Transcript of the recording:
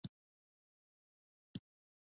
کومه لار نږدې ده؟